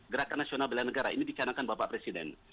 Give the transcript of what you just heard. gerakan nasional bela negara ini dicanangkan bapak presiden